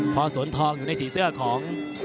พอสวนทองอยู่ในสีเสื้อของ